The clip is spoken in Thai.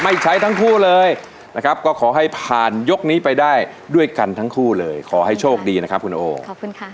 ใช้ทั้งคู่เลยนะครับก็ขอให้ผ่านยกนี้ไปได้ด้วยกันทั้งคู่เลยขอให้โชคดีนะครับคุณโอขอบคุณค่ะ